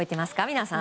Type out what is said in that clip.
皆さん。